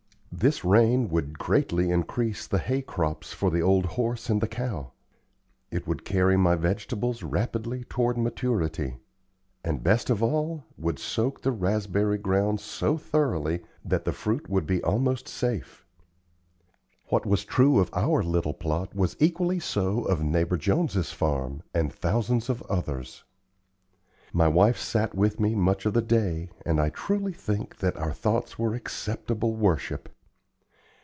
This rain would greatly increase the hay crops for the old horse and the cow; it would carry my vegetables rapidly toward maturity; and, best of all, would soak the raspberry ground so thoroughly that the fruit would be almost safe. What was true of our little plot was equally so of neighbor Jones's farm, and thousands of others. My wife sat with me much of the day, and I truly think that our thoughts were acceptable worship.